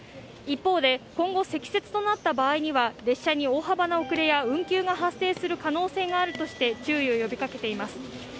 一方で、今後積雪となった場合には列車に大幅な遅れや運休が発生する可能性があるとして注意を呼びかけています。